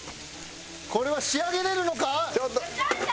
これは仕上げられるのか？